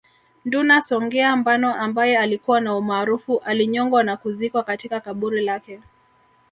Nduna Songea Mbano ambaye alikuwa na umaarufu alinyongwa na kuzikwa katika kaburi lake